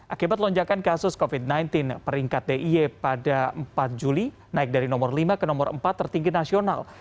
akibat lonjakan kasus covid sembilan belas peringkat d i e pada empat juli naik dari nomor lima ke nomor empat tertinggi nasional